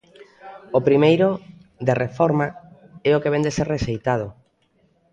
O primeiro, de reforma, é o que vén de ser rexeitado.